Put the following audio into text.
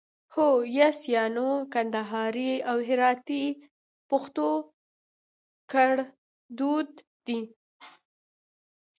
هو 👍 یا 👎 کندهاري او هراتي پښتو کړدود دی